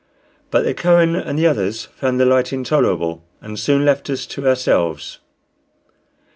But the Kohen and the others found the light intolerable, and soon left us to ourselves.